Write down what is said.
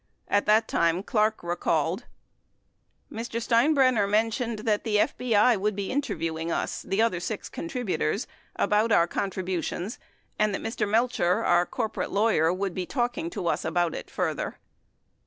At that time Clark recalled : Mr. Steinbrenner mentioned that the FBI would .be inter viewing us [other six contributors] about our contributions and that Mr. Melcher, our corporate lawyer, would be talking to us about it further.